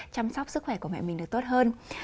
chăm sóc sức khỏe của mẹ mình được tốt hơn